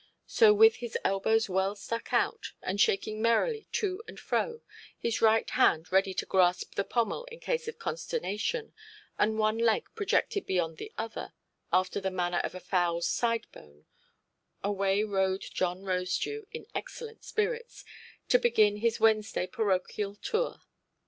So with his elbows well stuck out, and shaking merrily to and fro, his right hand ready to grasp the pommel in case of consternation, and one leg projected beyond the other, after the manner of a fowlʼs side–bone, away rode John Rosedew in excellent spirits, to begin his Wednesday parochial tour.